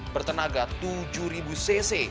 bertenaga tujuh cc